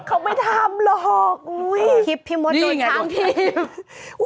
เขาไม่ทำหรอกอุ๊ยคลิปพี่หมดโดนช้างพี่นี่อย่างไร